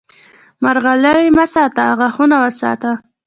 مرغلرې مه ساته، غاښونه وساته!